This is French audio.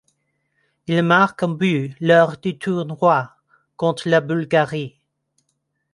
Il marque un but lors du tournoi contre la Bulgarie.